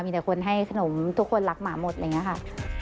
มีแต่คนให้ขนมทุกคนรักหมาหมดอะไรอย่างนี้ค่ะ